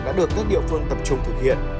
đã được các địa phương tập trung thực hiện